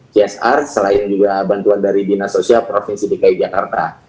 csr selain juga bantuan dari dinas sosial provinsi dki jakarta